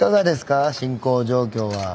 進行状況は。